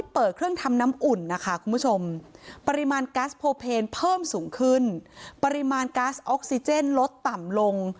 เพิ่มสูงขึ้นปริมาณกัสออกซิเจนลดต่ำลง